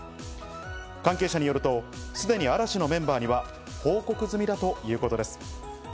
関係者によると、すでに嵐のメンバーには報告済みだということです。